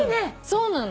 そうなの。